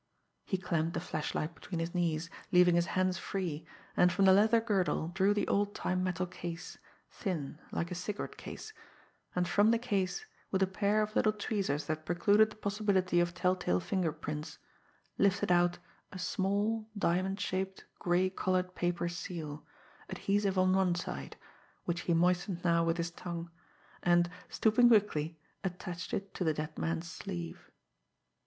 He clamped the flashlight between his knees, leaving his hands free, and from the leather girdle drew the old time metal case, thin, like a cigarette case, and from the case, with a pair of little tweezers that precluded the possibility of telltale finger prints, lifted out a small, diamond shaped, gray coloured paper seal, adhesive on one side, which he moistened now with his tongue and, stooping quickly, attached it to the dead man's sleeve.